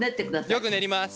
よく練ります。